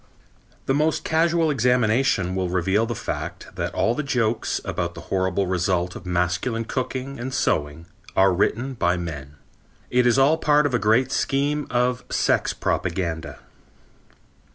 The most casual examination will reveal the fact that all the jokes about the horrible results of masculine cooking and sewing are written by men. It is all part of a great scheme of sex propaganda.